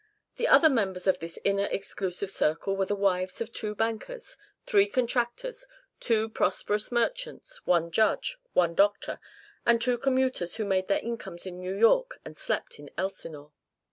The other members of this inner exclusive circle were the wives of two bankers, three contractors, two prosperous merchants, one judge, one doctor, and two commuters who made their incomes in New York and slept in Elsinore.